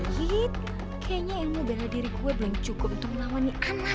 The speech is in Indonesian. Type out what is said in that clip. yit kayaknya emang berada diri gue belum cukup untuk melawani anak